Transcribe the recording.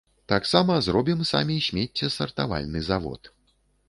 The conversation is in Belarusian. Таксама зробім самі смеццесартавальны завод.